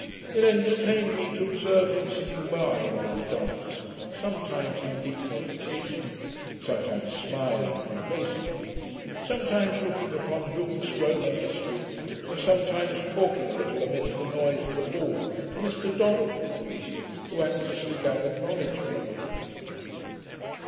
It entertained me to observe him sitting by, while we danced, sometimes in deep meditation, sometimes smiling complacently, sometimes looking upon Hooke's Roman History, and sometimes talking a little amidst the noise of the ball, to Mr Donald M'Queen, who anxiously gathered knowledge from him.